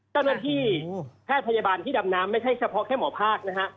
เจ้าหน้าที่แพทย์พยาบาลที่ดำน้ำไม่ใช่เฉพาะแค่หมอภาคนะฮะ